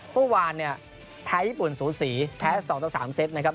เมื่อวานแพ้ญี่ปุ่นสูศรีแพ้๒๓เซตนะครับ